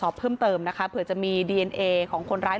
เบอร์ลูอยู่แบบนี้มั้งเยอะมาก